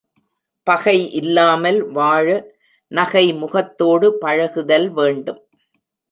பகை இல்லாமல் வாழ நகைமுகத்தோடு பழகுதல் வேண்டும்.